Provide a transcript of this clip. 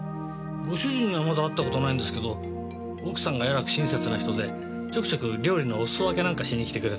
ご主人にはまだ会った事ないんですけど奥さんがえらく親切な人でちょくちょく料理のおすそ分けなんかしに来てくれたりして。